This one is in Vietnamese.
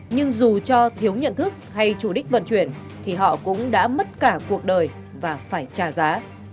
nhưng dù cho thiếu nhận thức hay chủ đích vận chuyển thì họ cũng đã mất cả cuộc đời và phải trả giá